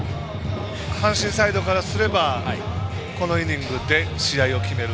阪神サイドからすればこのイニングで試合を決める。